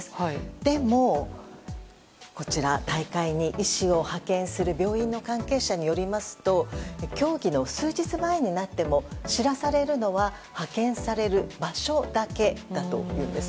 でも、大会に医師を派遣する病院の関係者によりますと競技の数日前になっても知らされるのは派遣される場所だけだというんです。